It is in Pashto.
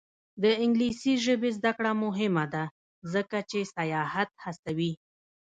د انګلیسي ژبې زده کړه مهمه ده ځکه چې سیاحت هڅوي.